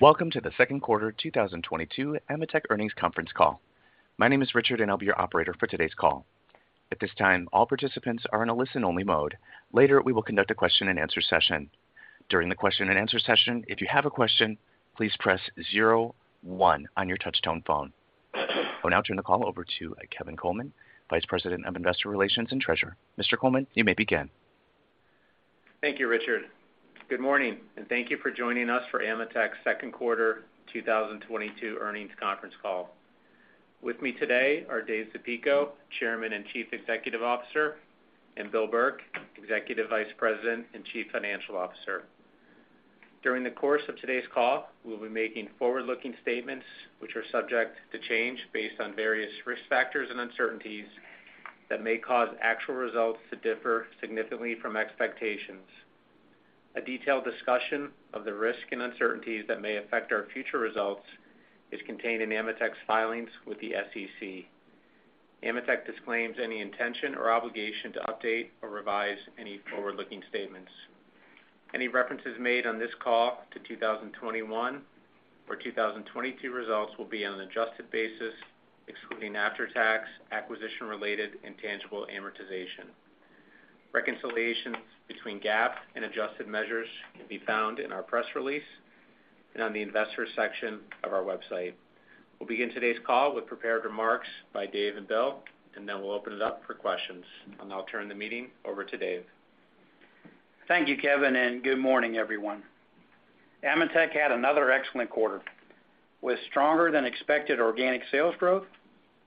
Welcome to the second quarter 2022 AMETEK earnings conference call. My name is Richard, and I'll be your operator for today's call. At this time, all participants are in a listen-only mode. Later, we will conduct a question-and-answer session. During the question-and-answer session, if you have a question, please press zero one on your touchtone phone. I will now turn the call over to Kevin Coleman, Vice President of Investor Relations and Treasurer. Mr. Coleman, you may begin. Thank you, Richard. Good morning and thank you for joining us for AMETEK's second quarter 2022 earnings conference call. With me today are Dave Zapico, Chairman and Chief Executive Officer, and Bill Burke, Executive Vice President and Chief Financial Officer. During the course of today's call, we'll be making forward-looking statements, which are subject to change based on various risk factors and uncertainties that may cause actual results to differ significantly from expectations. A detailed discussion of the risks and uncertainties that may affect our future results is contained in AMETEK's filings with the SEC. AMETEK disclaims any intention or obligation to update or revise any forward-looking statements. Any references made on this call to 2021 or 2022 results will be on an adjusted basis, excluding after-tax, acquisition-related, and tangible amortization. Reconciliations between GAAP and adjusted measures can be found in our press release and on the investor section of our website. We'll begin today's call with prepared remarks by Dave and Bill, and then we'll open it up for questions. I'll turn the meeting over to Dave. Thank you, Kevin, and good morning, everyone. AMETEK had another excellent quarter, with stronger-than-expected organic sales growth,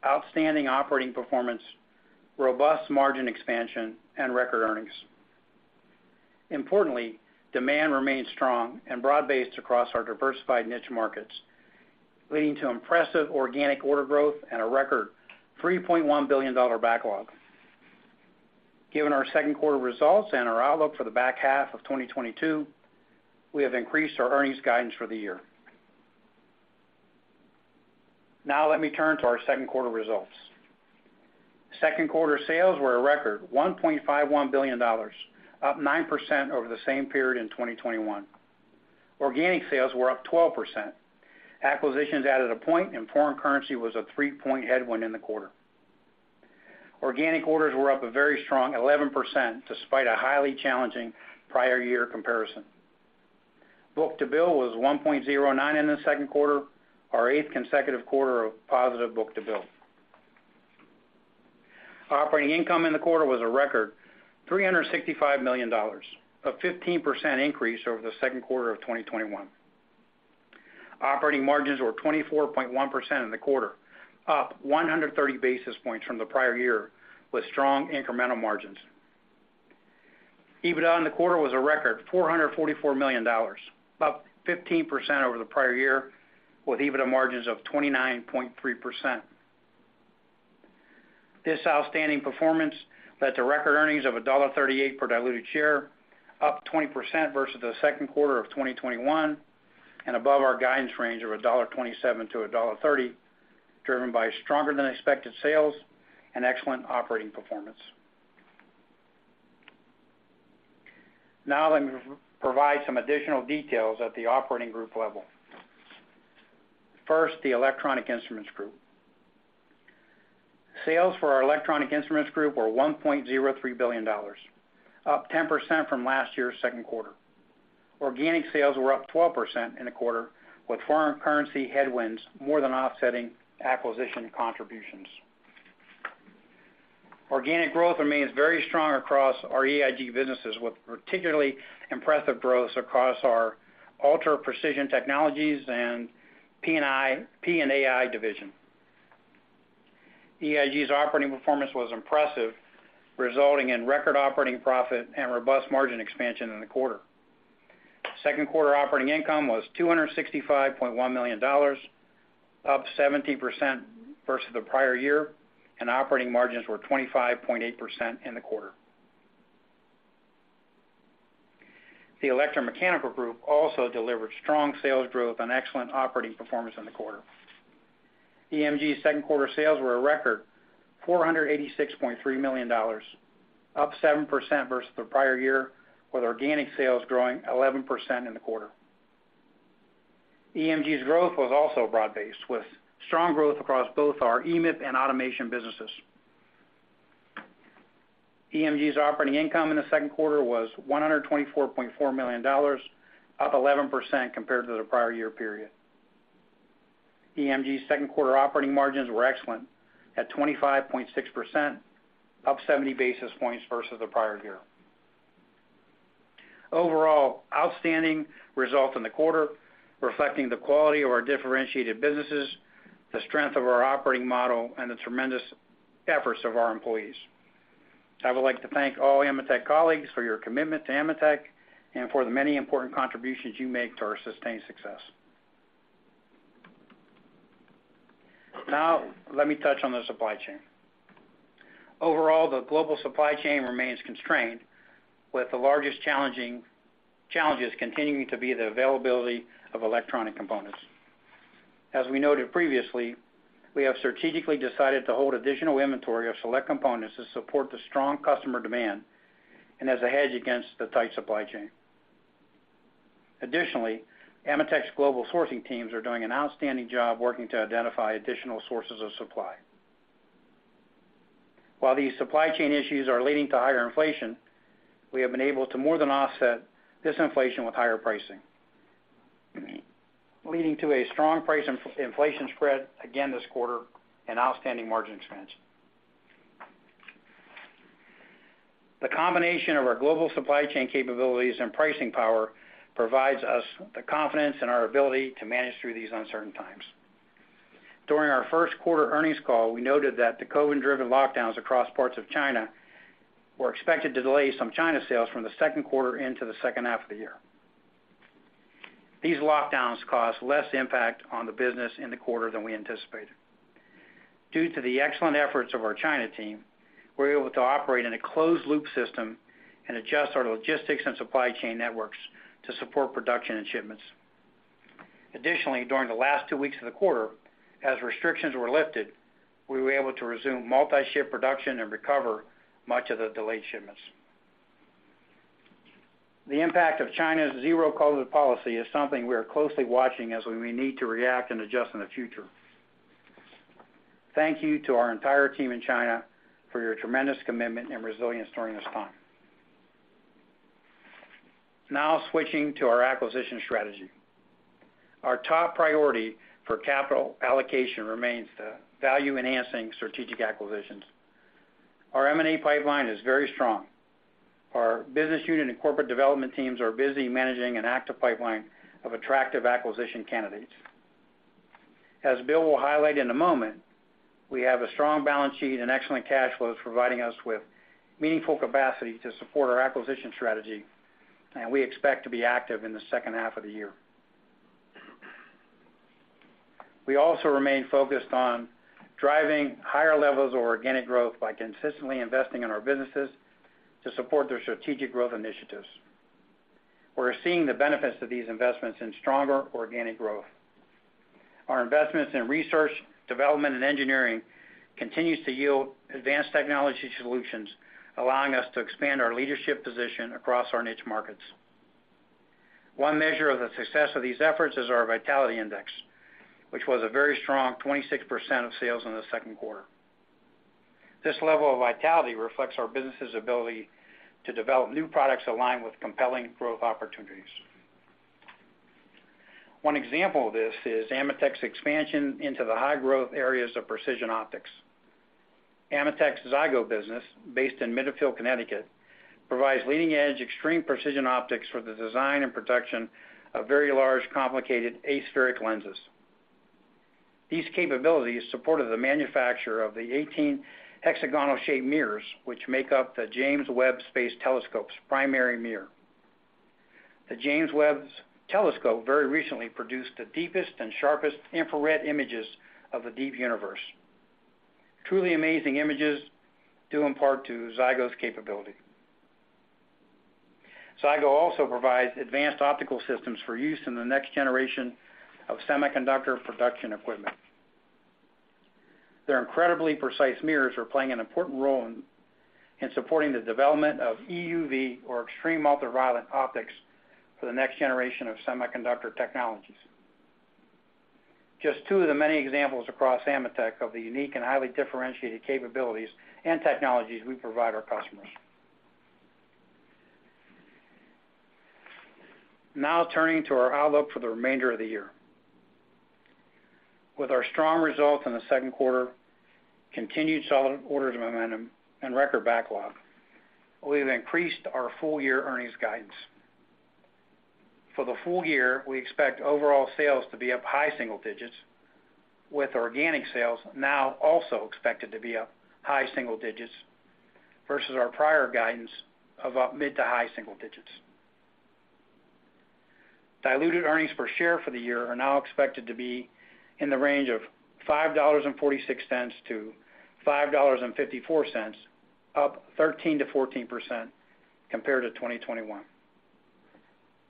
outstanding operating performance, robust margin expansion, and record earnings. Importantly, demand remained strong and broad-based across our diversified niche markets, leading to impressive organic order growth and a record $3.1 billion backlog. Given our second quarter results and our outlook for the back half of 2022, we have increased our earnings guidance for the year. Now let me turn to our second quarter results. Second quarter sales were a record $1.51 billion, up 9% over the same period in 2021. Organic sales were up 12%. Acquisitions added a point, and foreign currency was a three-point headwind in the quarter. Organic orders were up a very strong 11%, despite a highly challenging prior year comparison. Book-to-bill was 1.09 in the second quarter, our eighth consecutive quarter of positive book-to-bill. Operating income in the quarter was a record $365 million, a 15% increase over the second quarter of 2021. Operating margins were 24.1% in the quarter, up 130 basis points from the prior year, with strong incremental margins. EBITDA in the quarter was a record $444 million, up 15% over the prior year, with EBITDA margins of 29.3%. This outstanding performance led to record earnings of $1.38 per diluted share, up 20% versus the second quarter of 2021, and above our guidance range of $1.27-$1.30, driven by stronger-than-expected sales and excellent operating performance. Now let me provide some additional details at the operating group level. First, the Electronic Instruments Group. Sales for our Electronic Instruments Group were $1.03 billion, up 10% from last year's second quarter. Organic sales were up 12% in the quarter, with foreign currency headwinds more than offsetting acquisition contributions. Organic growth remains very strong across our EIG businesses, with particularly impressive growth across our Ultra Precision Technologies and P&AI division. EIG's operating performance was impressive, resulting in record operating profit and robust margin expansion in the quarter. Second quarter operating income was $265.1 million, up 70% versus the prior year, and operating margins were 25.8% in the quarter. The Electromechanical Group also delivered strong sales growth and excellent operating performance in the quarter. EMG's second quarter sales were a record $486.3 million, up 7% versus the prior year, with organic sales growing 11% in the quarter. EMG's growth was also broad-based, with strong growth across both our eMIP and automation businesses. EMG's operating income in the second quarter was $124.4 million, up 11% compared to the prior year period. EMG's second quarter operating margins were excellent at 25.6%, up 70 basis points versus the prior year. Overall, outstanding result in the quarter, reflecting the quality of our differentiated businesses, the strength of our operating model, and the tremendous efforts of our employees. I would like to thank all AMETEK colleagues for your commitment to AMETEK and for the many important contributions you make to our sustained success. Now let me touch on the supply chain. Overall, the global supply chain remains constrained, with the largest challenges continuing to be the availability of electronic components. As we noted previously, we have strategically decided to hold additional inventory of select components to support the strong customer demand and as a hedge against the tight supply chain. Additionally, AMETEK's global sourcing teams are doing an outstanding job working to identify additional sources of supply. While these supply chain issues are leading to higher inflation, we have been able to more than offset this inflation with higher pricing, leading to a strong price inflation spread again this quarter and outstanding margin expansion. The combination of our global supply chain capabilities and pricing power provides us the confidence in our ability to manage through these uncertain times. During our first quarter earnings call, we noted that the COVID-driven lockdowns across parts of China were expected to delay some China sales from the second quarter into the second half of the year. These lockdowns caused less impact on the business in the quarter than we anticipated. Due to the excellent efforts of our China team, we were able to operate in a closed loop system and adjust our logistics and supply chain networks to support production and shipments. Additionally, during the last two weeks of the quarter, as restrictions were lifted, we were able to resume multi-shift production and recover much of the delayed shipments. The impact of China's zero COVID policy is something we are closely watching as we may need to react and adjust in the future. Thank you to our entire team in China for your tremendous commitment and resilience during this time. Now switching to our acquisition strategy. Our top priority for capital allocation remains the value-enhancing strategic acquisitions. Our M&A pipeline is very strong. Our business unit and corporate development teams are busy managing an active pipeline of attractive acquisition candidates. As Bill will highlight in a moment, we have a strong balance sheet and excellent cash flows providing us with meaningful capacity to support our acquisition strategy, and we expect to be active in the second half of the year. We also remain focused on driving higher levels of organic growth by consistently investing in our businesses to support their strategic growth initiatives. We're seeing the benefits of these investments in stronger organic growth. Our investments in research, development, and engineering continues to yield advanced technology solutions, allowing us to expand our leadership position across our niche markets. One measure of the success of these efforts is our Vitality Index, which was a very strong 26% of sales in the second quarter. This level of vitality reflects our business's ability to develop new products aligned with compelling growth opportunities. One example of this is AMETEK's expansion into the high-growth areas of precision optics. AMETEK's Zygo business, based in Middlefield, Connecticut, provides leading-edge extreme precision optics for the design and production of very large, complicated aspheric lenses. These capabilities supported the manufacture of the 18 hexagonal-shaped mirrors, which make up the James Webb Space Telescope's primary mirror. The James Webb Space Telescope very recently produced the deepest and sharpest infrared images of the deep universe. Truly amazing images due in part to Zygo's capability. Zygo also provides advanced optical systems for use in the next generation of semiconductor production equipment. Their incredibly precise mirrors are playing an important role in supporting the development of EUV or extreme ultraviolet optics for the next generation of semiconductor technologies. Just two of the many examples across AMETEK of the unique and highly differentiated capabilities and technologies we provide our customers. Now turning to our outlook for the remainder of the year. With our strong results in the second quarter, continued solid order momentum, and record backlog, we've increased our full-year earnings guidance. For the full year, we expect overall sales to be up high single digits, with organic sales now also expected to be up high single digits versus our prior guidance of up mid to high single digits. Diluted earnings per share for the year are now expected to be in the range of $5.46-$5.54, up 13%-14% compared to 2021.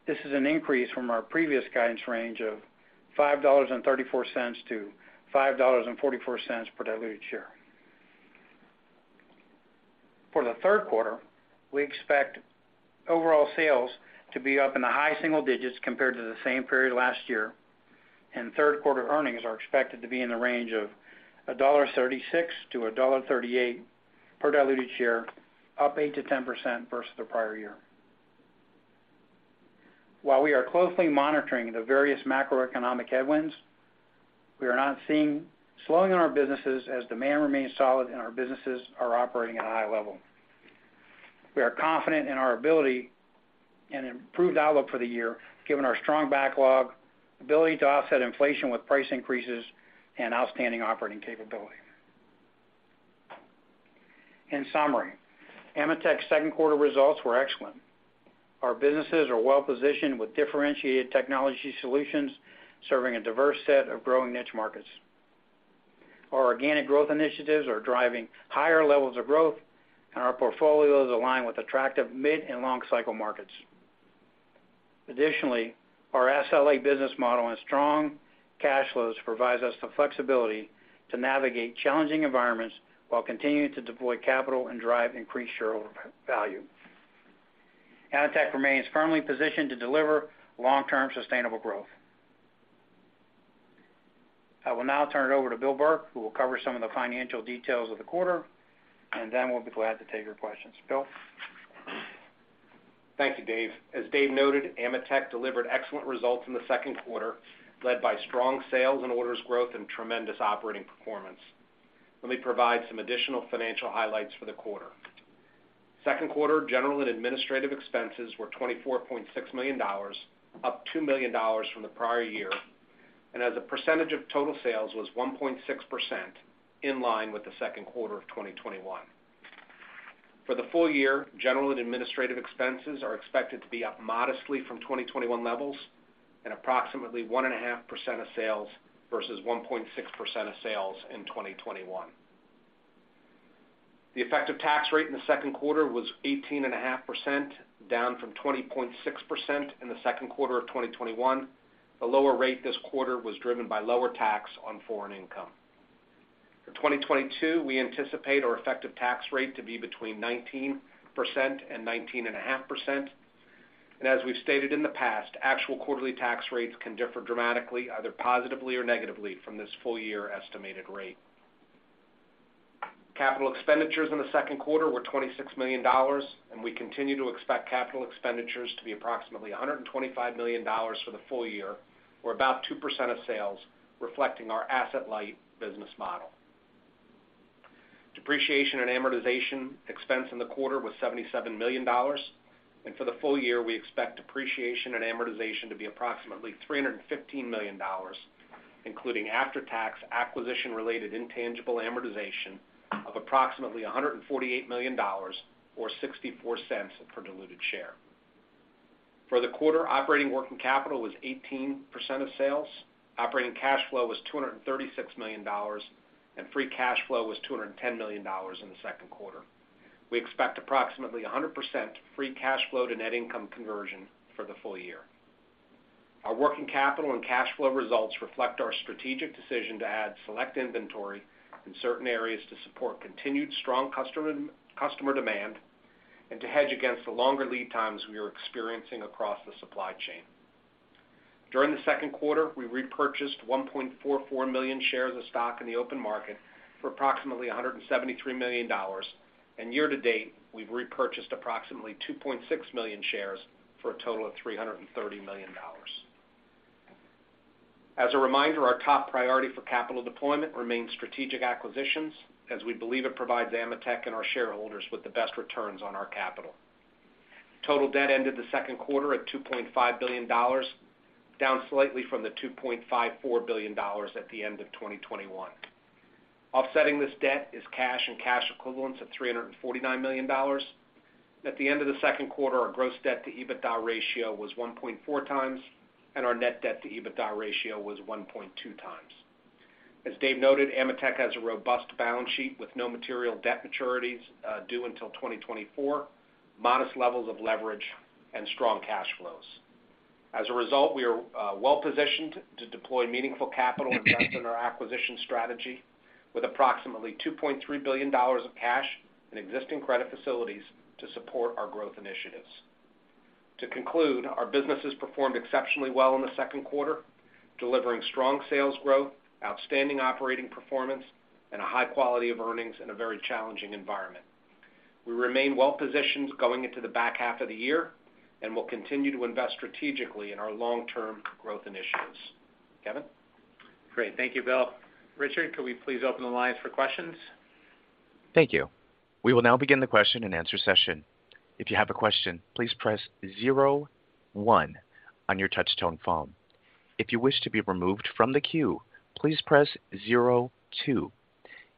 This is an increase from our previous guidance range of $5.34-$5.44 per diluted share. For the third quarter, we expect overall sales to be up in the high single digits compared to the same period last year, and third quarter earnings are expected to be in the range of $1.36-$1.38 per diluted share, up 8%-10% versus the prior year. While we are closely monitoring the various macroeconomic headwinds, we are not seeing slowing in our businesses as demand remains solid and our businesses are operating at a high level. We are confident in our ability and improved outlook for the year, given our strong backlog, ability to offset inflation with price increases, and outstanding operating capability. In summary, AMETEK's second quarter results were excellent. Our businesses are well positioned with differentiated technology solutions, serving a diverse set of growing niche markets. Our organic growth initiatives are driving higher levels of growth, and our portfolio is aligned with attractive mid and long cycle markets. Additionally, our SLA business model and strong cash flows provides us the flexibility to navigate challenging environments while continuing to deploy capital and drive increased shareholder value. AMETEK remains firmly positioned to deliver long-term sustainable growth. I will now turn it over to Bill Burke, who will cover some of the financial details of the quarter, and then we'll be glad to take your questions. Bill? Thank you, Dave. As Dave noted, AMETEK delivered excellent results in the second quarter, led by strong sales and orders growth and tremendous operating performance. Let me provide some additional financial highlights for the quarter. Second quarter general and administrative expenses were $24.6 million, up $2 million from the prior year, and as a percentage of total sales was 1.6%, in line with the second quarter of 2021. For the full year, general and administrative expenses are expected to be up modestly from 2021 levels and approximately 1.5% of sales versus 1.6% of sales in 2021. The effective tax rate in the second quarter was 18.5%, down from 20.6% in the second quarter of 2021. The lower rate this quarter was driven by lower tax on foreign income. For 2022, we anticipate our effective tax rate to be between 19% and 19.5%. As we've stated in the past, actual quarterly tax rates can differ dramatically, either positively or negatively from this full year estimated rate. Capital expenditures in the second quarter were $26 million, and we continue to expect capital expenditures to be approximately $125 million for the full year or about 2% of sales, reflecting our asset-light business model. Depreciation and amortization expense in the quarter was $77 million, and for the full year, we expect depreciation and amortization to be approximately $315 million, including after-tax acquisition-related intangible amortization of approximately $148 million or $0.64 per diluted share. For the quarter, operating working capital was 18% of sales. Operating cash flow was $236 million, and free cash flow was $210 million in the second quarter. We expect approximately 100% free cash flow to net income conversion for the full year. Our working capital and cash flow results reflect our strategic decision to add select inventory in certain areas to support continued strong customer demand and to hedge against the longer lead times we are experiencing across the supply chain. During the second quarter, we repurchased 1.44 million shares of stock in the open market for approximately $173 million. Year to date, we've repurchased approximately 2.6 million shares for a total of $330 million. As a reminder, our top priority for capital deployment remains strategic acquisitions, as we believe it provides AMETEK and our shareholders with the best returns on our capital. Total debt ended the second quarter at $2.5 billion, down slightly from the $2.54 billion at the end of 2021. Offsetting this debt is cash and cash equivalents of $349 million. At the end of the second quarter, our gross debt to EBITDA ratio was 1.4x, and our net debt to EBITDA ratio was 1.2x. As Dave noted, AMETEK has a robust balance sheet with no material debt maturities due until 2024, modest levels of leverage, and strong cash flows. As a result, we are well positioned to deploy meaningful capital investment in our acquisition strategy with approximately $2.3 billion of cash and existing credit facilities to support our growth initiatives. To conclude, our businesses performed exceptionally well in the second quarter, delivering strong sales growth, outstanding operating performance, and a high quality of earnings in a very challenging environment. We remain well positioned going into the back half of the year, and we'll continue to invest strategically in our long-term growth initiatives. Kevin? Great. Thank you, Bill. Richard, could we please open the lines for questions? Thank you. We will now begin the question-and-answer session. If you have a question, please press zero one on your touch tone phone. If you wish to be removed from the queue, please press zero two.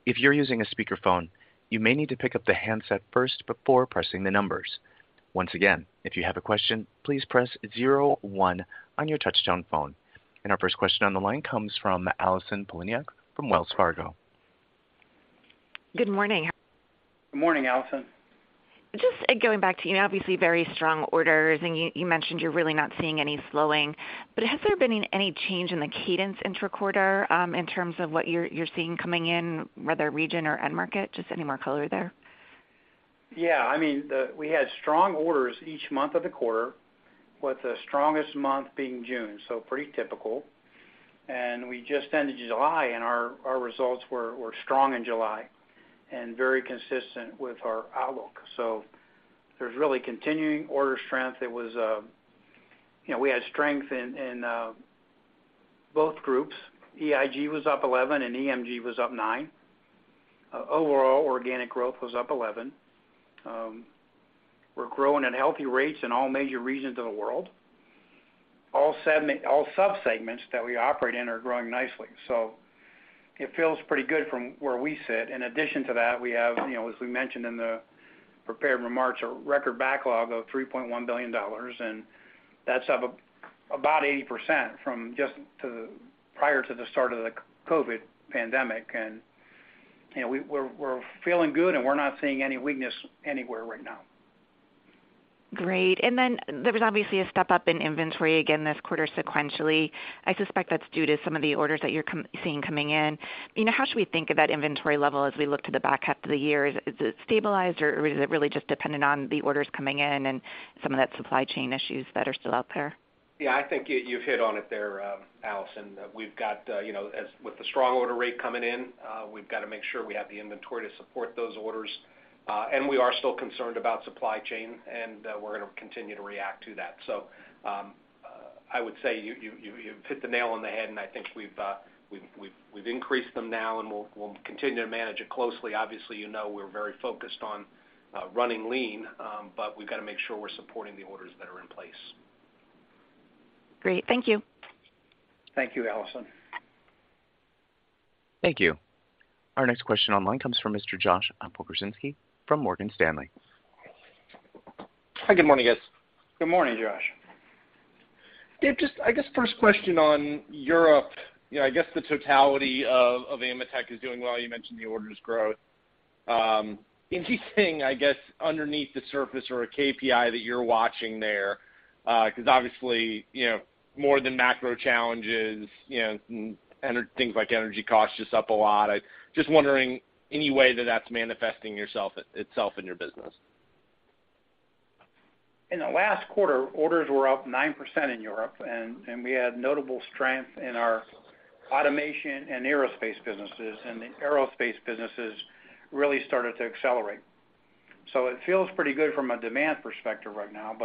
If you're using a speakerphone, you may need to pick up the handset first before pressing the numbers. Once again, if you have a question, please press zero one on your touch tone phone. Our first question on the line comes from Allison Poliniak from Wells Fargo. Good morning. Good morning, Allison. Just going back to, you know, obviously very strong orders, and you mentioned you're really not seeing any slowing. But has there been any change in the cadence interquarter, in terms of what you're seeing coming in, whether region or end market? Just any more color there? Yeah. I mean, we had strong orders each month of the quarter, with the strongest month being June, so pretty typical. We just ended July, and our results were strong in July and very consistent with our outlook. There's really continuing order strength. It was, you know, we had strength in both groups. EIG was up 11% and EMG was up 9%. Overall, organic growth was up 11%. We're growing at healthy rates in all major regions of the world. All subsegments that we operate in are growing nicely. It feels pretty good from where we sit. In addition to that, we have, you know, as we mentioned in the prepared remarks, a record backlog of $3.1 billion, and that's up about 80% from prior to the start of the COVID pandemic. You know, we're feeling good, and we're not seeing any weakness anywhere right now. Great. There was obviously a step up in inventory again this quarter sequentially. I suspect that's due to some of the orders that you're seeing coming in. You know, how should we think of that inventory level as we look to the back half of the year? Is it stabilized, or is it really just dependent on the orders coming in and some of that supply chain issues that are still out there? Yeah. I think you've hit on it there, Allison. We've got you know, as with the strong order rate coming in, we've got to make sure we have the inventory to support those orders. We are still concerned about supply chain, and we're gonna continue to react to that. I would say you've hit the nail on the head, and I think we've increased them now, and we'll continue to manage it closely. Obviously, you know, we're very focused on running lean, but we've got to make sure we're supporting the orders that are in place. Great. Thank you. Thank you, Allison. Thank you. Our next question online comes from Mr. Josh Pokrzywinski from Morgan Stanley. Hi, good morning, guys. Good morning, Josh. Dave, just I guess first question on Europe. You know, I guess the totality of AMETEK is doing well. You mentioned the orders growth. Anything, I guess, underneath the surface or a KPI that you're watching there? 'Cause obviously, you know, more than macro challenges, you know, things like energy costs just up a lot. Just wondering any way that that's manifesting itself in your business. In the last quarter, orders were up 9% in Europe, and we had notable strength in our automation and aerospace businesses, and the aerospace businesses really started to accelerate. It feels pretty good from a demand perspective right now.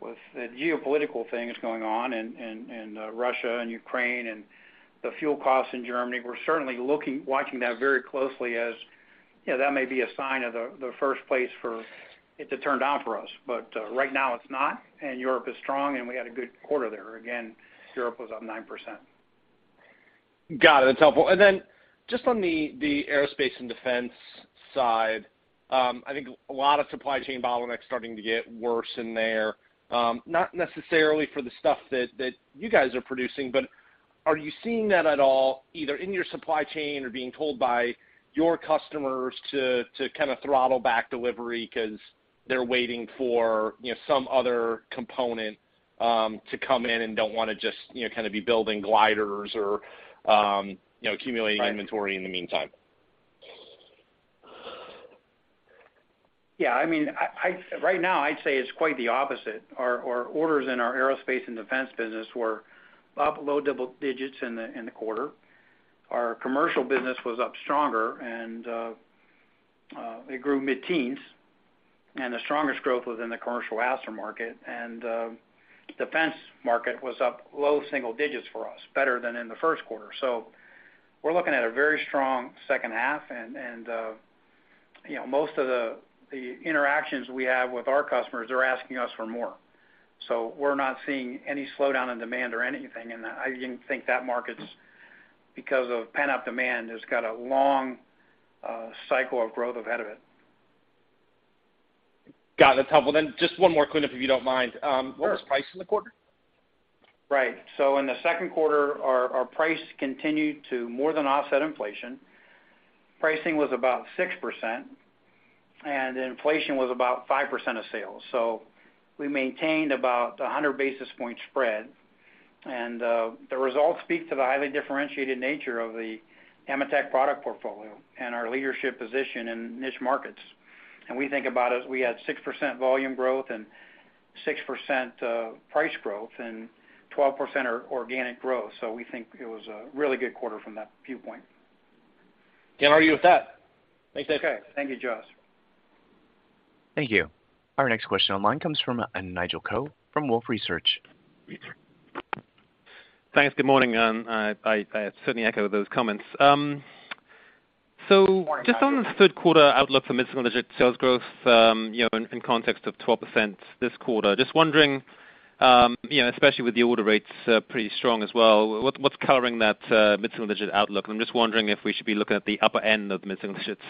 With the geopolitical things going on in Russia and Ukraine and the fuel costs in Germany, we're certainly looking, watching that very closely as you know, that may be a sign of the first place for it to turn down for us. Right now it's not, and Europe is strong, and we had a good quarter there. Again, Europe was up 9%. Got it. That's helpful. Just on the aerospace and defense side, I think a lot of supply chain bottlenecks starting to get worse in there, not necessarily for the stuff that you guys are producing. Are you seeing that at all, either in your supply chain or being told by your customers to kind of throttle back delivery 'cause they're waiting for, you know, some other component to come in and don't wanna just, you know, kind of be building gliders or, you know, accumulating. Right. inventory in the meantime? Yeah. I mean, right now I'd say it's quite the opposite. Our orders in our aerospace and defense business were up low double digits in the quarter. Our commercial business was up stronger, and it grew mid-teens. The strongest growth was in the commercial aftermarket. Defense market was up low single digits for us, better than in the first quarter. We're looking at a very strong second half. You know, most of the interactions we have with our customers, they're asking us for more. We're not seeing any slowdown in demand or anything in that. I even think that market's, because of pent-up demand, has got a long cycle of growth ahead of it. Got it. That's helpful. Just one more clean up, if you don't mind. Sure. What was pricing in the quarter? Right. In the second quarter, our price continued to more than offset inflation. Pricing was about 6%, and inflation was about 5% of sales. We maintained about 100 basis point spread. The results speak to the highly differentiated nature of the AMETEK product portfolio and our leadership position in niche markets. We think about it, we had 6% volume growth and 6% price growth and 12% organic growth. We think it was a really good quarter from that viewpoint. Dave, I'll leave it with that. Thanks, Dave. Okay. Thank you, Josh. Thank you. Our next question online comes from, Nigel Coe from Wolfe Research. Thanks. Good morning. I certainly echo those comments. So just on the third quarter outlook for mid-single-digit sales growth, you know, in context of 12% this quarter, just wondering, you know, especially with the order rates pretty strong as well, what's covering that mid-single-digit outlook? I'm just wondering if we should be looking at the upper end of mid-single-digits,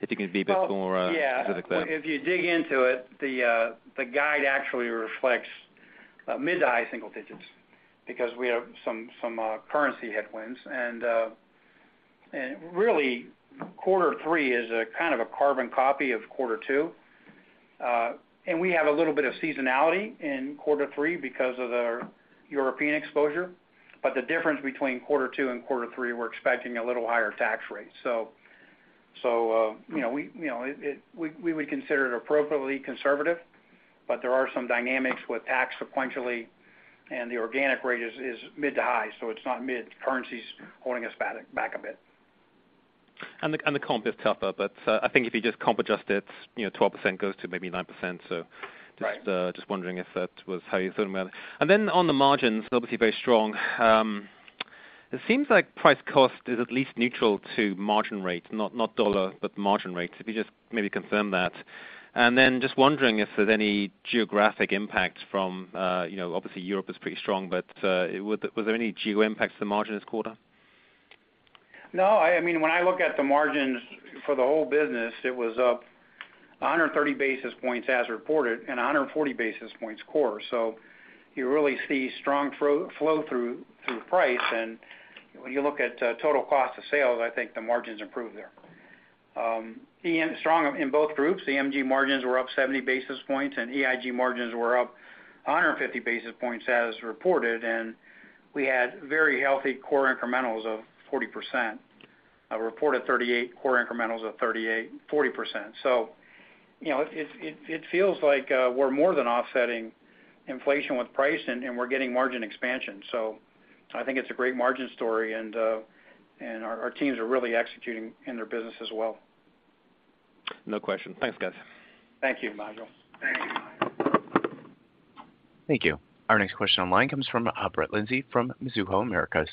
if you can be a bit more- Well, yeah. Specific there. If you dig into it, the guide actually reflects mid- to high-single-digit % because we have some currency headwinds. Really quarter three is a kind of a carbon copy of quarter two. We have a little bit of seasonality in quarter three because of our European exposure. The difference between quarter two and quarter three, we're expecting a little higher tax rate. You know, we would consider it appropriately conservative, but there are some dynamics with tax sequentially, and the organic rate is mid- to high-, so it's not mid. Currency's holding us back a bit. The comp is tougher. I think if you just comp adjust it, you know, 12% goes to maybe 9%. Just Right. Just wondering if that was how you thought about it. On the margins, obviously very strong. It seems like price cost is at least neutral to margin rates, not dollar, but margin rates. If you just maybe confirm that. Just wondering if there's any geographic impact from, you know, obviously Europe is pretty strong, but were there any geo impacts to the margin this quarter? No, I mean, when I look at the margins for the whole business, it was up 130 basis points as reported and 140 basis points core. You really see strong flow through price. When you look at total cost of sales, I think the margins improve there. EMG strong in both groups. The EMG margins were up 70 basis points, and EIG margins were up 150 basis points as reported. We had very healthy core incrementals of 40%, reported 38, core incrementals of 38%-40%. You know, it feels like we're more than offsetting inflation with price, and we're getting margin expansion. I think it's a great margin story, and our teams are really executing in their business as well. No question. Thanks, guys. Thank you, Nigel. Thank you. Thank you. Our next question online comes from Brett Linzey from Mizuho Americas.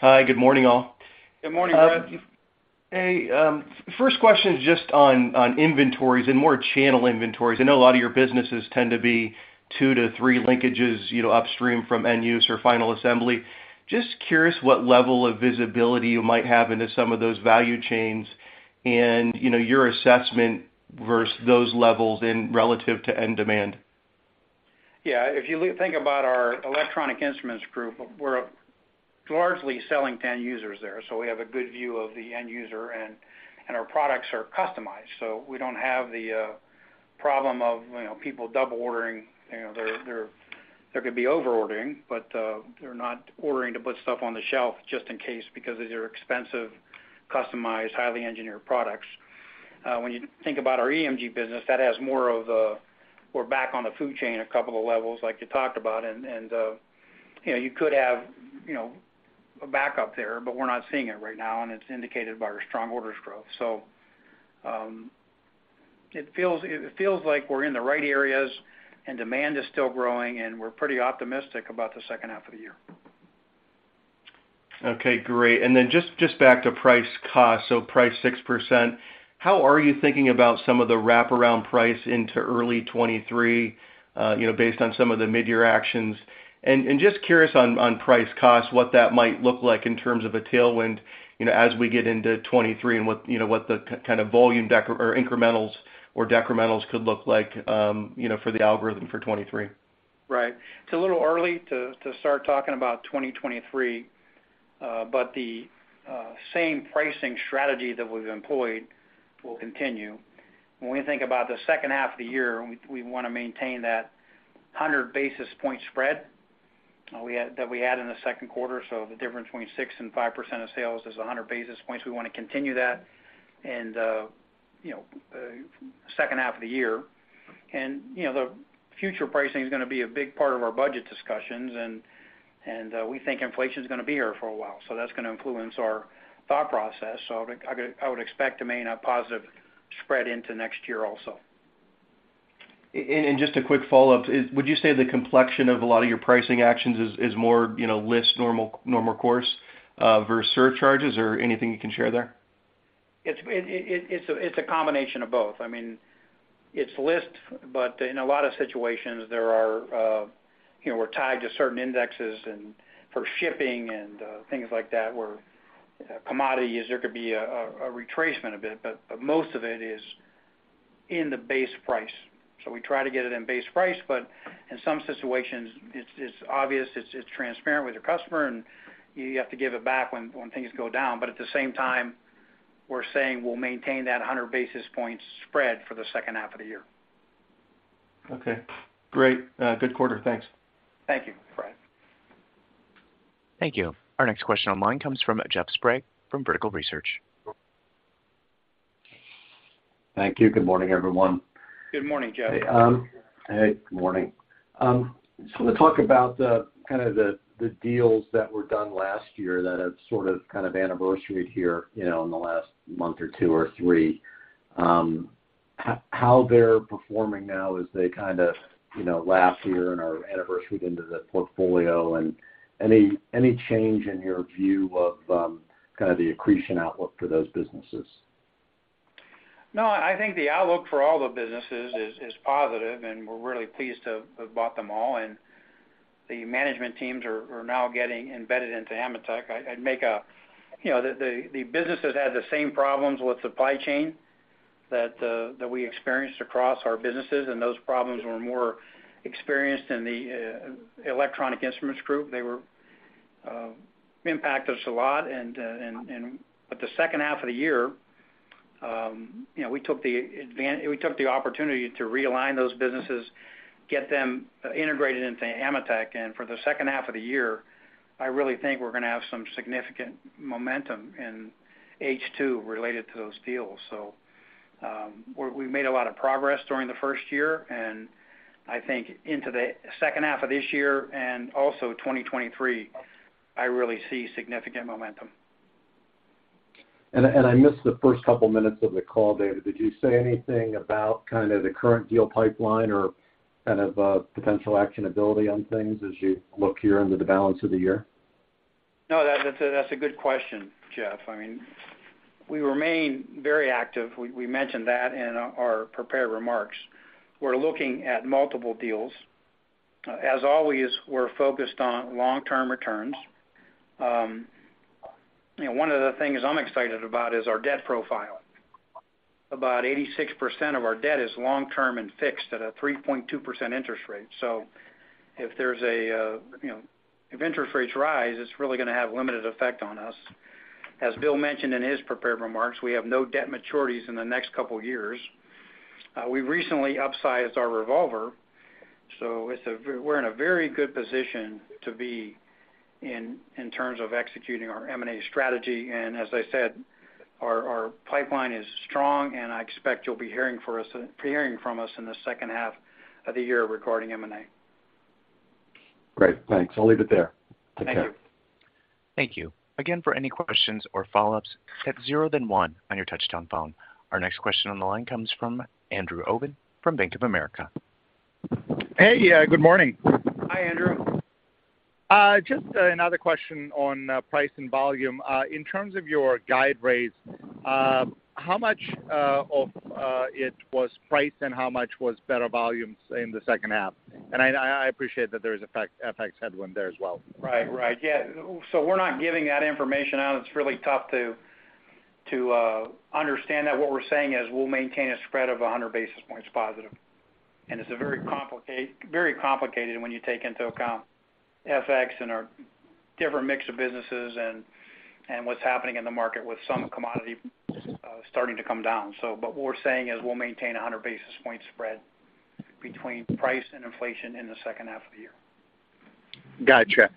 Hi. Good morning, all. Good morning, Brett. First question is just on inventories and more channel inventories. I know a lot of your businesses tend to be two to three linkages, you know, upstream from end use or final assembly. Just curious what level of visibility you might have into some of those value chains and, you know, your assessment versus those levels in relation to end demand. Yeah. If you think about our Electronic Instruments Group, we're largely selling to end users there. We have a good view of the end user, and our products are customized, so we don't have the problem of, you know, people double ordering. You know, they could be over ordering, but they're not ordering to put stuff on the shelf just in case because these are expensive, customized, highly engineered products. When you think about our EMG business, that has more of a, we're back on the food chain a couple of levels like you talked about. You know, you could have a backup there, but we're not seeing it right now, and it's indicated by our strong orders growth. It feels like we're in the right areas and demand is still growing, and we're pretty optimistic about the second half of the year. Okay, great. Just back to price cost. Price 6%, how are you thinking about some of the wraparound price into early 2023, you know, based on some of the midyear actions? Just curious on price cost, what that might look like in terms of a tailwind, you know, as we get into 2023 and what kind of volume or incrementals or decrementals could look like, you know, for the algorithm for 2023. Right. It's a little early to start talking about 2023. The same pricing strategy that we've employed will continue. When we think about the second half of the year, we wanna maintain that 100 basis point spread that we had in the second quarter. The difference between 6% and 5% of sales is 100 basis points. We wanna continue that and, you know, second half of the year. The future pricing is gonna be a big part of our budget discussions and we think inflation's gonna be here for a while. That's gonna influence our thought process. I would expect to maintain a positive spread into next year also. Just a quick follow-up. Would you say the complexion of a lot of your pricing actions is more, you know, list normal course versus surcharges? Or anything you can share there? It's a combination of both. I mean, its list, but in a lot of situations there are, we're tied to certain indexes and for shipping and things like that where commodity prices there could be a retracement a bit, but most of it is in the base price. We try to get it in base price, but in some situations it's obvious, it's transparent with your customer, and you have to give it back when things go down. At the same time, we're saying we'll maintain that 100 basis points spread for the second half of the year. Okay, great. Good quarter. Thanks. Thank you, Brett. Thank you. Our next question online comes from Jeff Sprague from Vertical Research. Thank you. Good morning, everyone. Good morning, Jeff. Hey, hey, good morning. Just wanna talk about the kind of the deals that were done last year that have sort of, kind of anniversaried here, you know, in the last month or two or three. How they're performing now as they kind of, you know, last year and are anniversaried into the portfolio, and any change in your view of, kind of the accretion outlook for those businesses? No, I think the outlook for all the businesses is positive, and we're really pleased to have bought them all, and the management teams are now getting embedded into AMETEK. You know, the businesses had the same problems with supply chain that we experienced across our businesses, and those problems were more pronounced in the Electronic Instruments Group. They impacted us a lot. But the second half of the year, you know, we took the opportunity to realign those businesses, get them integrated into AMETEK. For the second half of the year, I really think we're gonna have some significant momentum in H2 related to those deals. We made a lot of progress during the first year, and I think into the second half of this year and also 2023, I really see significant momentum. I missed the first couple minutes of the call, David. Did you say anything about kind of the current deal pipeline or kind of potential actionability on things as you look here into the balance of the year? No, that's a good question, Jeff. I mean, we remain very active. We mentioned that in our prepared remarks. We're looking at multiple deals. As always, we're focused on long-term returns. You know, one of the things I'm excited about is our debt profile. About 86% of our debt is long-term and fixed at a 3.2% interest rate. So if there's, you know, if interest rates rise, it's really gonna have limited effect on us. As Bill mentioned in his prepared remarks, we have no debt maturities in the next couple years. We recently upsized our revolver, so we're in a very good position to be in terms of executing our M&A strategy. As I said, our pipeline is strong, and I expect you'll be hearing from us in the second half of the year regarding M&A. Great. Thanks. I'll leave it there. Take care. Thank you. Thank you. Again, for any questions or follow-ups, hit zero then one on your touchtone phone. Our next question on the line comes from Andrew Obin from Bank of America. Hey, good morning. Hi, Andrew. Just another question on price and volume. In terms of your guide rates, how much of it was price and how much was better volumes in the second half? I appreciate that there is FX headwind there as well. Right. Yeah. We're not giving that information out. It's really tough to understand that. What we're saying is we'll maintain a spread of 100 basis points positive. It's a very complicated when you take into account FX and our different mix of businesses and what's happening in the market with some commodity starting to come down. But what we're saying is we'll maintain a 100 basis point spread between price and inflation in the second half of the year. Gotcha.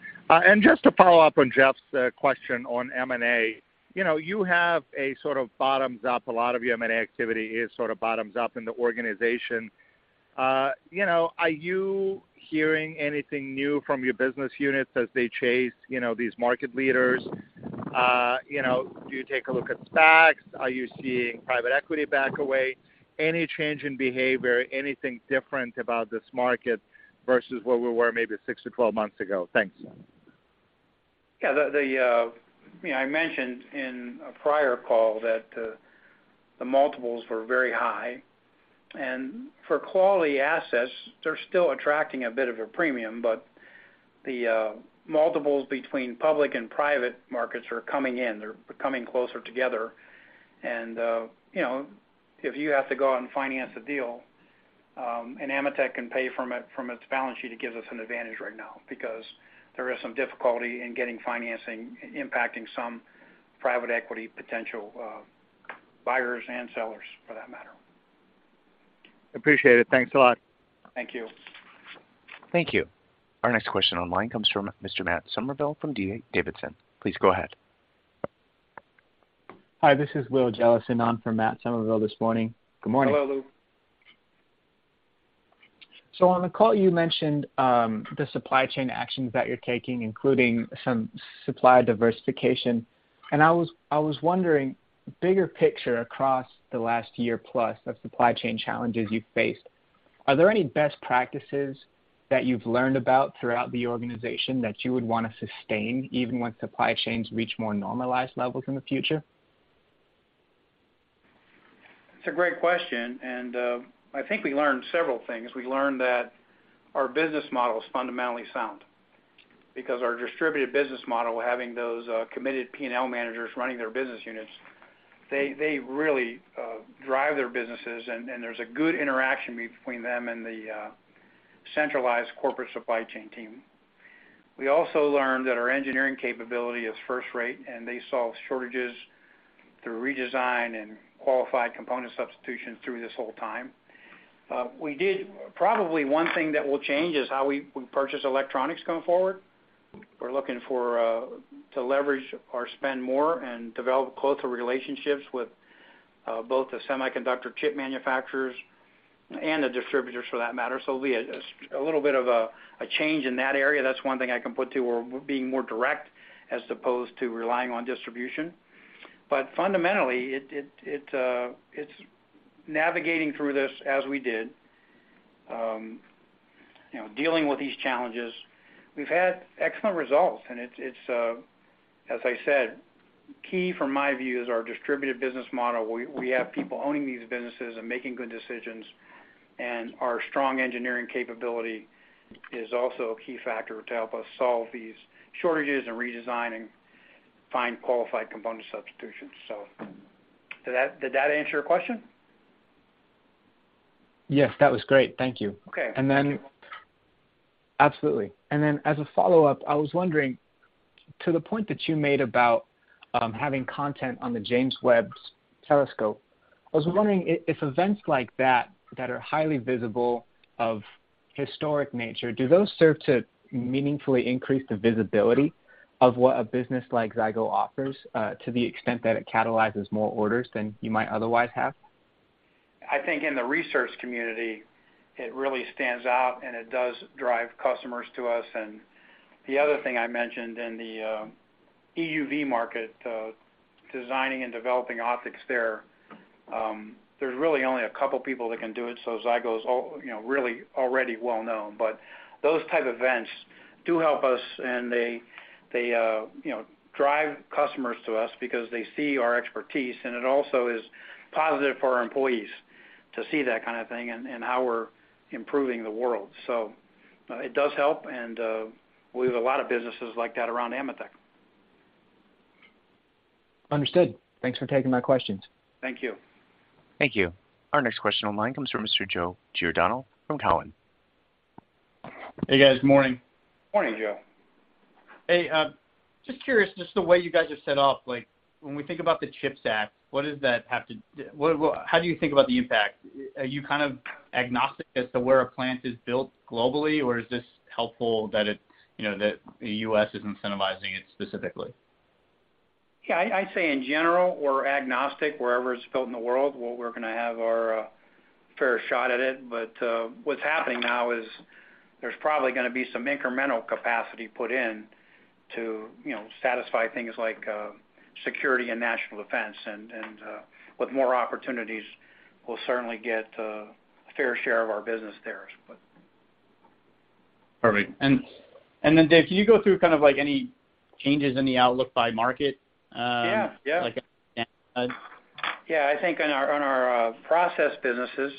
Just to follow up on Jeff's question on M&A. You know, you have a sort of bottoms up. A lot of your M&A activity is sort of bottoms up in the organization. You know, are you hearing anything new from your business units as they chase, you know, these market leaders? You know, do you take a look at stacks? Are you seeing private equity back away? Any change in behavior, anything different about this market versus where we were maybe 6-12 months ago? Thanks. Yeah. You know, I mentioned in a prior call that the multiples were very high. For quality assets, they're still attracting a bit of a premium, but the multiples between public and private markets are coming in. They're coming closer together. If you have to go out and finance a deal, and AMETEK can pay for it from its balance sheet, it gives us an advantage right now because there is some difficulty in getting financing, impacting some private equity potential buyers and sellers for that matter. Appreciate it. Thanks a lot. Thank you. Thank you. Our next question on line comes from Mr. Matt Summerville from D.A. Davidson. Please go ahead. Hi, this is Will Jellison on for Matt Summerville this morning. Good morning. Hello, Will. On the call, you mentioned the supply chain actions that you're taking, including some supply diversification. I was wondering, bigger picture across the last year plus of supply chain challenges you faced, are there any best practices that you've learned about throughout the organization that you would wanna sustain even when supply chains reach more normalized levels in the future? It's a great question, and I think we learned several things. We learned that our business model is fundamentally sound because our distributed business model, having those committed P&L managers running their business units, they really drive their businesses, and there's a good interaction between them and the centralized corporate supply chain team. We also learned that our engineering capability is first rate, and they solve shortages through redesign and qualified component substitution through this whole time. Probably one thing that will change is how we purchase electronics going forward. We're looking for to leverage or spend more and develop closer relationships with both the semiconductor chip manufacturers and the distributors for that matter. There'll be a little bit of a change in that area. That's one thing I can point to. We're being more direct as opposed to relying on distribution. Fundamentally, it's navigating through this as we did, you know, dealing with these challenges. We've had excellent results, and as I said, key from my view is our distributed business model. We have people owning these businesses and making good decisions, and our strong engineering capability is also a key factor to help us solve these shortages and redesign and find qualified component substitutions. Did that answer your question? Yes. That was great. Thank you. Okay. Absolutely. As a follow-up, I was wondering, to the point that you made about having content on the James Webb Telescope, I was wondering if events like that are highly visible of historic nature, do those serve to meaningfully increase the visibility of what a business like Zygo offers, to the extent that it catalyzes more orders than you might otherwise have? I think in the research community, it really stands out, and it does drive customers to us. The other thing I mentioned in the EUV market, designing and developing optics there's really only a couple people that can do it, so Zygo's really already well known. Those type of events do help us, and they drive customers to us because they see our expertise, and it also is positive for our employees to see that kind of thing and how we're improving the world. It does help, and we have a lot of businesses like that around AMETEK. Understood. Thanks for taking my questions. Thank you. Thank you. Our next question online comes from Mr. Joe Giordano from TD Cowen. Hey, guys. Morning. Morning, Joe. Hey, just curious, just the way you guys are set up, like when we think about the CHIPS Act, how do you think about the impact? Are you kind of agnostic as to where a plant is built globally, or is this helpful that it, you know, that the U.S. is incentivizing it specifically? Yeah. I'd say in general, we're agnostic wherever it's built in the world. We're gonna have our fair shot at it. What's happening now is there's probably gonna be some incremental capacity put in to, you know, satisfy things like security and national defense. With more opportunities, we'll certainly get a fair share of our business there as well. Perfect. Dave, can you go through kind of like any changes in the outlook by market? Yeah. I think on our process businesses,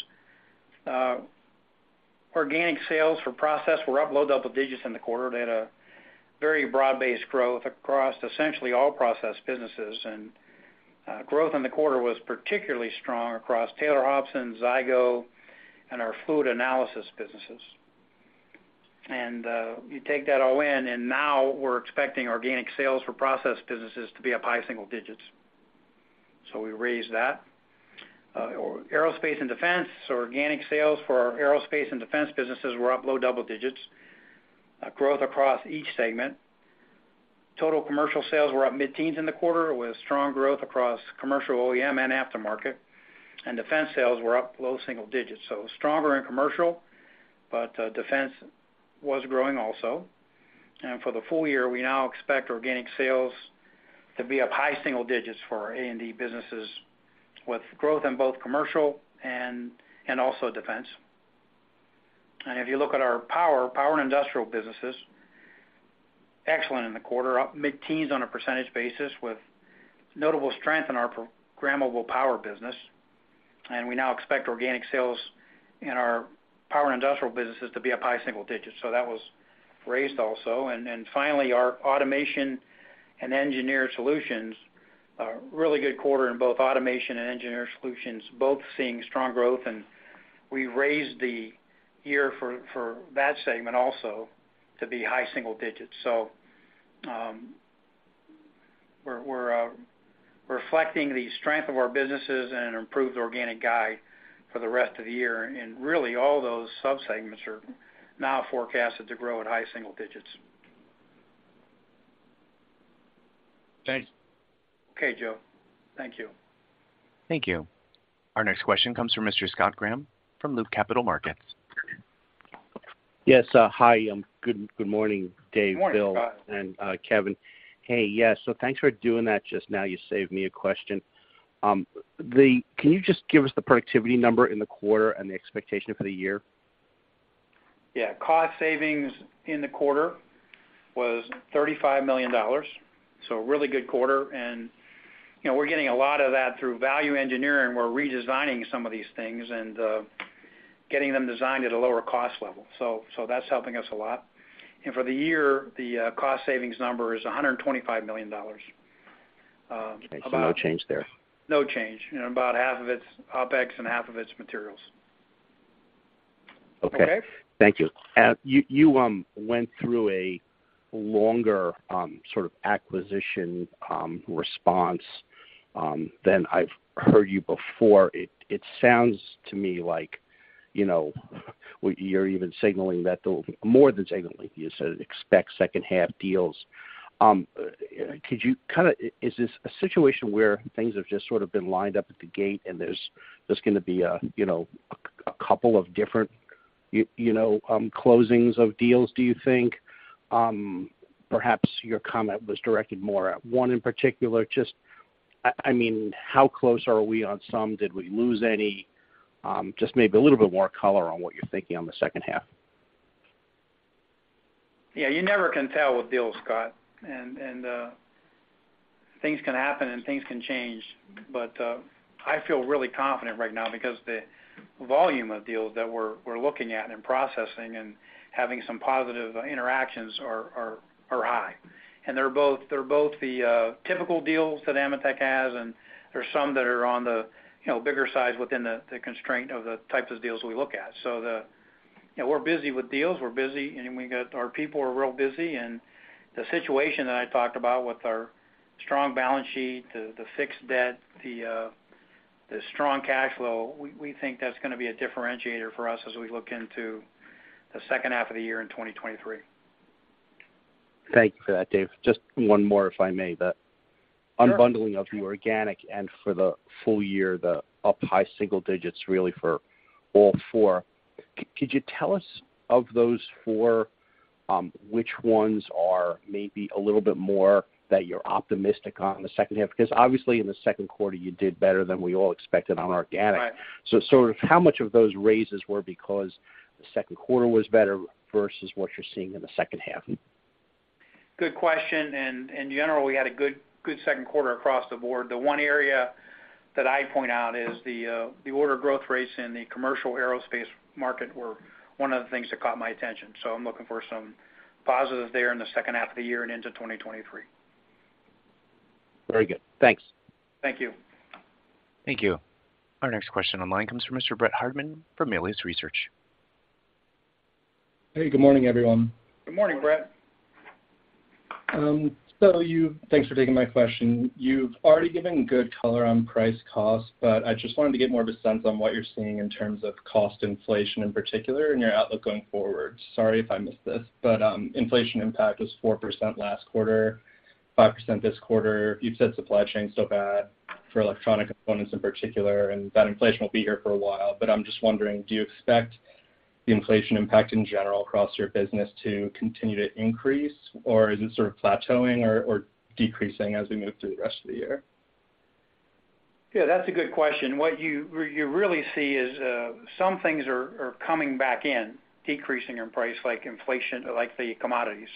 organic sales for process were up low double digits in the quarter. They had a very broad-based growth across essentially all process businesses. Growth in the quarter was particularly strong across Taylor Hobson, Zygo, and our fluid analysis businesses. You take that all in, and now we're expecting organic sales for process businesses to be up high single digits. We raised that. Aerospace and defense, organic sales for our aerospace and defense businesses were up low double digits, growth across each segment. Total commercial sales were up mid-teens in the quarter, with strong growth across commercial OEM and aftermarket. Defense sales were up low single digits, so stronger in commercial, but defense was growing also. For the full year, we now expect organic sales to be up high single digits for our A&D businesses with growth in both commercial and also defense. If you look at our power and industrial businesses, excellent in the quarter, up mid-teens on a percentage basis with notable strength in our Programmable Power business. We now expect organic sales in our power and industrial businesses to be up high single digits, so that was raised also. Finally, our automation and engineered solutions, a really good quarter in both automation and engineered solutions, both seeing strong growth. We raised the year for that segment also to be high single digits. We're reflecting the strength of our businesses and an improved organic guide for the rest of the year. Really, all those sub-segments are now forecasted to grow at high single digits%. Thanks. Okay, Joe. Thank you. Thank you. Our next question comes from Mr. Scott Graham from Loop Capital Markets. Yes. Hi. Good morning, Dave. Morning, Scott. Bill and Kevin. Hey. Yes. Thanks for doing that just now. You saved me a question. Can you just give us the productivity number in the quarter and the expectation for the year? Yeah. Cost savings in the quarter was $35 million, so a really good quarter. You know, we're getting a lot of that through value engineering. We're redesigning some of these things and getting them designed at a lower cost level. So that's helping us a lot. For the year, the cost savings number is $125 million. About. No change there. No change. You know, about half of it's OpEx and half of it's materials. Okay. Okay? Thank you. You went through a longer sort of acquisition response than I've heard you before. It sounds to me like, you know, you're even signaling that the more than signaling, you said expect second half deals. Could you kind of? Is this a situation where things have just sort of been lined up at the gate, and there's gonna be a, you know, a couple of different, you know, closings of deals, do you think? Perhaps your comment was directed more at one in particular. Just, I mean, how close are we on some? Did we lose any? Just maybe a little bit more color on what you're thinking on the second half. Yeah. You never can tell with deals, Scott. Things can happen, and things can change. I feel really confident right now because the volume of deals that we're looking at and processing and having some positive interactions are high. They're both the typical deals that AMETEK has, and there's some that are on the, you know, bigger size within the constraint of the types of deals we look at. You know, we're busy with deals. We're busy, and we got our people are real busy. The situation that I talked about with our strong balance sheet, the fixed debt, the strong cash flow, we think that's gonna be a differentiator for us as we look into the second half of the year in 2023. Thank you for that, Dave. Just one more, if I may. Sure, sure. Unbundling of the organic, and for the full year, they're up high single digits really for all four. Could you tell us, of those four, which ones are maybe a little bit more that you're optimistic on in the second half? Because obviously, in the second quarter, you did better than we all expected on organic. Right. Sort of how much of those raises were because the second quarter was better versus what you're seeing in the second half? Good question. In general, we had a good second quarter across the board. The one area that I point out is the order growth rates in the commercial aerospace market were one of the things that caught my attention. I'm looking for some positives there in the second half of the year and into 2023. Very good. Thanks. Thank you. Thank you. Our next question on the line comes from Mr. Brett Hardman from Melius Research. Hey, good morning, everyone. Good morning, Brett. Thanks for taking my question. You've already given good color on price cost, but I just wanted to get more of a sense on what you're seeing in terms of cost inflation in particular and your outlook going forward. Sorry if I missed this, but inflation impact was 4% last quarter, 5% this quarter. You've said supply chain is still bad for electronic components in particular, and that inflation will be here for a while. I'm just wondering, do you expect the inflation impact in general across your business to continue to increase, or is it sort of plateauing or decreasing as we move through the rest of the year? Yeah, that's a good question. What you really see is some things are coming back in, decreasing in price, like the commodities.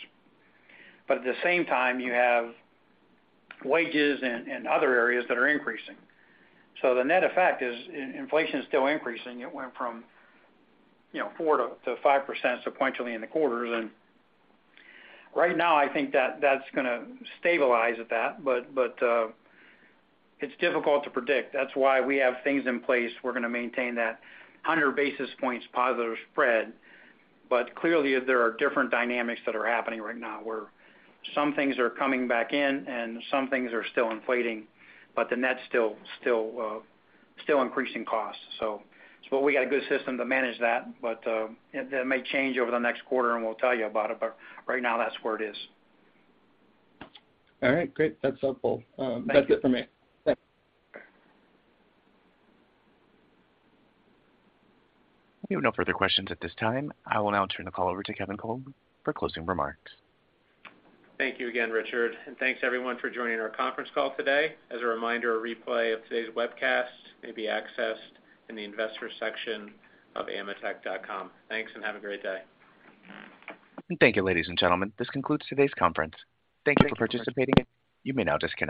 At the same time, you have wages and other areas that are increasing. The net effect is inflation is still increasing. It went from 4% to 5% sequentially in the quarters. Right now, I think that's gonna stabilize at that. It's difficult to predict. That's why we have things in place. We're gonna maintain that 100 basis points positive spread. Clearly, there are different dynamics that are happening right now, where some things are coming back in and some things are still inflating, but the net's still increasing costs. We got a good system to manage that, but that may change over the next quarter, and we'll tell you about it. Right now, that's where it is. All right. Great. That's helpful. That's it for me. Thanks. We have no further questions at this time. I will now turn the call over to Kevin Coleman for closing remarks. Thank you again, Richard. Thanks, everyone, for joining our conference call today. As a reminder, a replay of today's webcast may be accessed in the investor section of ametek.com. Thanks, and have a great day. Thank you, ladies and gentlemen. This concludes today's conference. Thank you for participating. You may now disconnect.